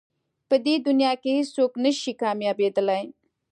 په دې دنیا کې هېڅ څوک نه شي کامیابېدلی.